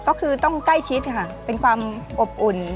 ก็คือต้องใกล้ชิดค่ะเป็นความอบอุ่น